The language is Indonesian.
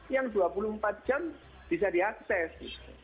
yang dua puluh empat jam bisa diakses